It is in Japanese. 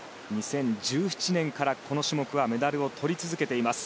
２０１７年からこの種目はメダルをとり続けています。